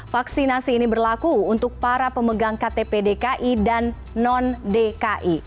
vaksinasi ini berlaku untuk para pemegang ktp dki dan non dki